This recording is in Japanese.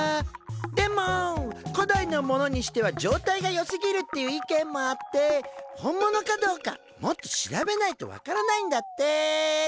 でも古代のものにしては状態がよすぎるっていう意見もあって本物かどうかもっと調べないと分からないんだって。